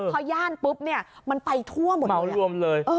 พอย่านปุ๊บเนี่ยมันไปทั่วหมดเลยเหมารวมเลย